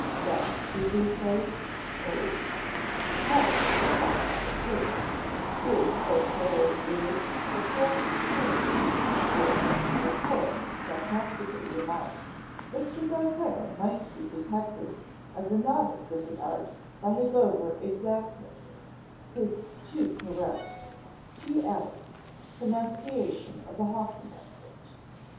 Set, did we say? no: "cast your hawk on the perch" is, Beauclerc observed, the correct term; for, as Horace sarcastically remarked, Mr. Beauclerc might be detected as a novice in the art by his over exactness; his too correct, too attic, pronunciation of the hawking language.